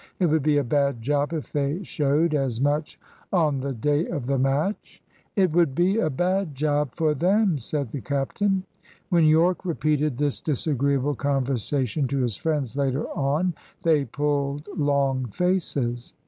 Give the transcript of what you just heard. It would be a bad job if they showed as much on the day of the match." "It would be a bad job for them," said the captain. When Yorke repeated this disagreeable conversation to his friends later on, they pulled long faces.